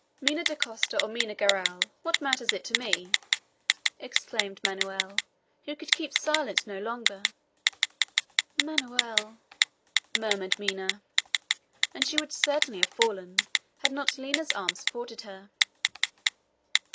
"Minha Dacosta or Minha Garral, what matters it to me?" exclaimed Manoel, who could keep silent no longer. "Manoel!" murmured Minha. And she would certainly have fallen had not Lina's arm supported her.